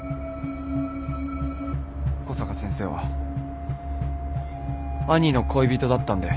小坂先生は兄の恋人だったんで。